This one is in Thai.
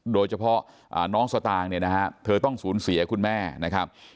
โดยเฉพาะน้องสตางค์เนี่ยนะฮะเธอต้องสูญเสียคุณแม่นะครับ